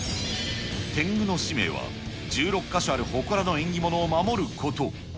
天狗の使命は、１６か所ある祠の縁起物を守ること。